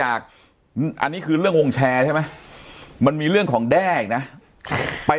อันนี้คือเรื่องวงแชร์ใช่ไหมมันมีเรื่องของแด้อีกนะไป